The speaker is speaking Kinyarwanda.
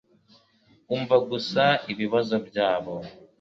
umva gusa ibibazo byabo